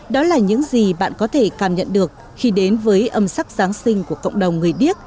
đó là những gì bạn có thể cảm nhận được khi đến với âm sắc giáng sinh của cộng đồng người điếc